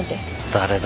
誰だ？